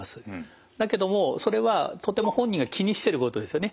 だけどもそれはとても本人が気にしてることですよね。